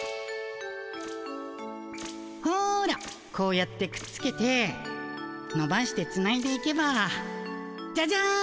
ほらこうやってくっつけてのばしてつないでいけばジャジャン！